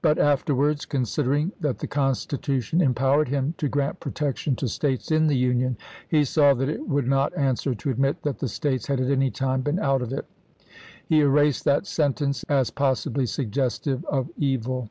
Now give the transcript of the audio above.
But afterwards, considering that the Constitution empowered him to grant protection to States " in the Union," he saw that it would not answer to admit that the States had at any time been out of it ; he erased that sentence, as possibly suggestive of evil.